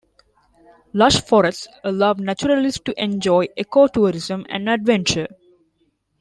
Lush forests allow naturalists to enjoy ecotourism and adventure.